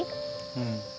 うん。